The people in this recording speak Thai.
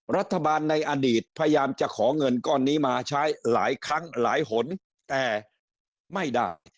รัฐบาลในอดีตพยายามจะขอเงินก้อนนี้มาใช้หลายครั้งหลายหนแต่ไม่ได้